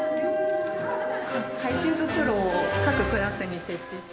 回収袋を各クラスに設置して。